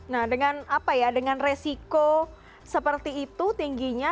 nah dengan apa ya dengan resiko seperti itu tingginya